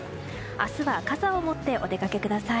明日は傘を持ってお出かけください。